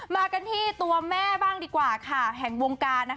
มากันที่ตัวแม่บ้างดีกว่าค่ะแห่งวงการ